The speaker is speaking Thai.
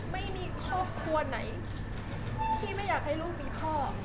ไม่มีครอบครัวไหนที่ไม่อยากให้ลูกมีพ่อ